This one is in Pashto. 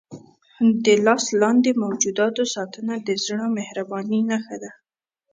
د لاس لاندې موجوداتو ساتنه د زړه د مهربانۍ نښه ده.